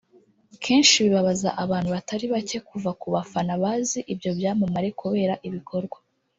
kenshi bibabaza abantu batari bake kuva kubafana bazi ibyo byamamare kubera ibikorwa